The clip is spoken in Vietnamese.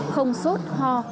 không sốt ho